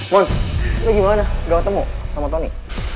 mon lo gimana gak ketemu sama tony